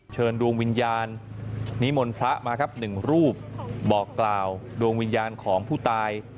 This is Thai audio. เชิญดวงวิญญาณนิมนต์พระมาครับหนึ่งรูปบอกกล่าวดวงวิญญาณของผู้ตาย